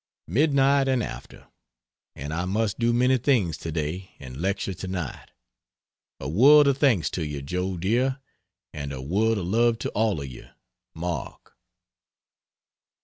Midnight and after! and I must do many things to day, and lecture tonight. A world of thanks to you, Joe dear, and a world of love to all of you. MARK.